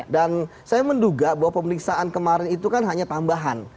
dan saya menduga bahwa pemeriksaan kemarin itu kan hanya tambahan